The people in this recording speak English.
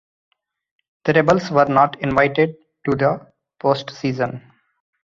The Rebels were not invited to the postseason.